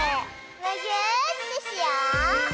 むぎゅーってしよう！